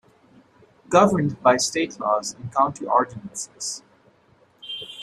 Governed by state laws and county ordinances.